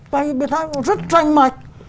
tại vì bà ta cũng rất danh mạch